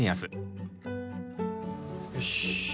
よし。